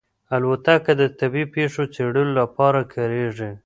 الوتکه د طبیعي پېښو څېړلو لپاره کارېږي.